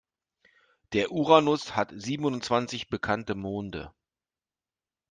Der Uranus hat siebenundzwanzig bekannte Monde.